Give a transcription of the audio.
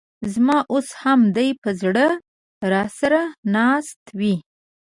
ز ما اوس هم دي په زړه راسره ناست وې